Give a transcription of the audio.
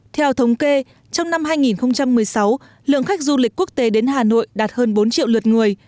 theo thống kê trong năm hai nghìn một mươi sáu lượng khách du lịch quốc tế đến hà nội đạt hơn bốn triệu lượt người